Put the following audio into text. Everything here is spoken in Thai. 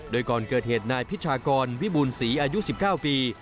โดยก่อนเกิดเหตุนายพิชากรวิบูรณศรีอายุ๑๙ปี